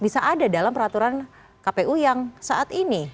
bisa ada dalam peraturan kpu yang saat ini